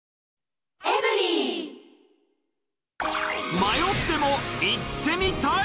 迷っても行ってみたい！